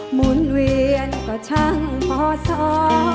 หมุนเวียนก็ช่างพศ